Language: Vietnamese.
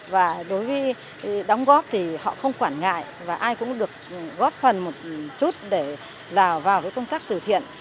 và đối với đóng góp thì họ không quản ngại và ai cũng được góp phần một chút để vào công tác từ thiện